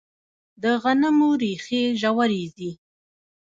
د غنمو ریښې ژورې ځي.